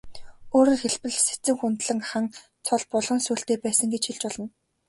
Өөрөөр хэлбэл, Сэцэн хүндлэн хан цол булган сүүлтэй байсан гэж хэлж болно.